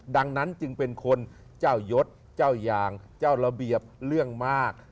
ดังนั้นจึงเป็นคนเจ้ายศเจ้ายางเจ้าระเบียบเรื่องมาก